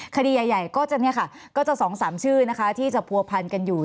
คดีใหญ่ก็จะ๒๓ชื่อที่จะผัวพันกันอยู่